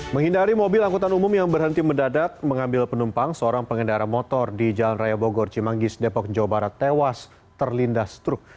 menghindari mobil angkutan umum yang berhenti mendadak mengambil penumpang seorang pengendara motor di jalan raya bogor cimanggis depok jawa barat tewas terlindas truk